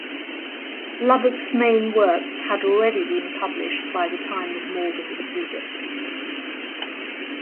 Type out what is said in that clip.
Lubbock's main works had already been published by the time of Morgan's visit.